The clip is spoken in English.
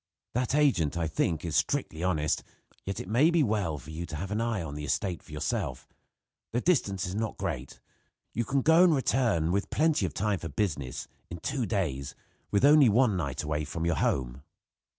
That agent, I think, is strictly honest; yet it may be well for you to have an eye on the estate for yourself. The distance is not great. You can go and return, with plenty of time for business, in two days, with only one night away from your home.